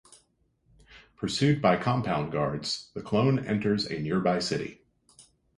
Pursued by compound guards, the clone enters a nearby city.